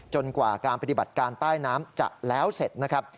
กว่าการปฏิบัติการใต้น้ำจะแล้วเสร็จนะครับ